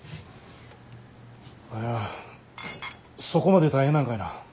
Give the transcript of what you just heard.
そこまで大変なんかいな。